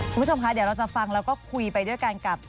คุณผู้ชมคะเดี๋ยวเราจะฟังแล้วก็คุยไปด้วยกันกับ